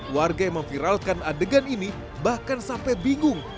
warga yang memviralkan adegan ini bahkan sampai bingung